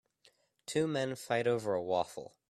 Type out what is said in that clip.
Two men fight over a waffle.